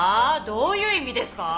どういう意味ですか？